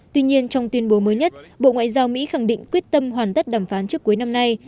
tuy nhiên trong tuyên bố mới nhất bộ ngoại giao mỹ khẳng định quyết tâm hoàn tất đàm phán trước cuối năm nay